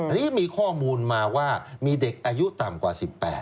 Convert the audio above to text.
อันนี้มีข้อมูลมาว่ามีเด็กอายุต่ำกว่า๑๘